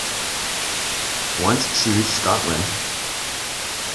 Once she reached Scotland.